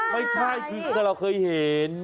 ไม่ใช่คือเราเคยเห็น